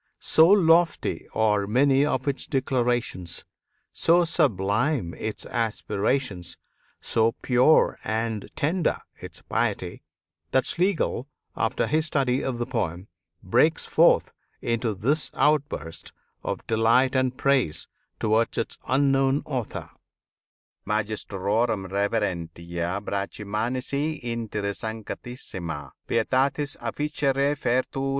So lofty are many of its declarations, so sublime its aspirations, so pure and tender its piety, that Schlegel, after his study of the poem, breaks forth into this outburst of delight and praise towards its unknown author: "Magistrorum reverentia a Brachmanis inter sanctissima pietatis officia refertur.